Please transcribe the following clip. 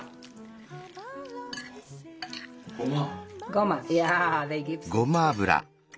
ごま？